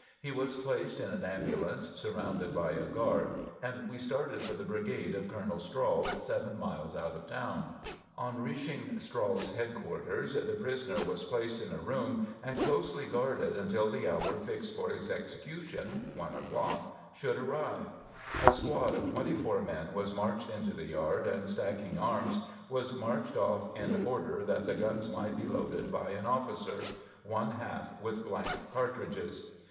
He was placed in an ambulance, surrounded by a guard, and we started for the brigade of Colonel Strahl, seven miles out of town. On reaching Strahl's headquarters, the prisoner was placed in a room and closely guarded until the hour fixed for his execution, one o'clock, should arrive. A squad of twenty four men was marched into the yard, and stacking arms, was marched off in order that the guns might be loaded by an officer, one half with blank cartridges.